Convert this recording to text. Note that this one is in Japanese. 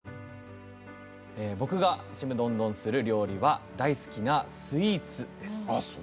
僕がちむどんどんする料理は大好きなスイーツです。